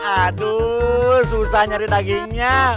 aduh susah nyari dagingnya